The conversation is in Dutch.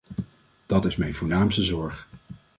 Dat is mijn voornaamste zorg.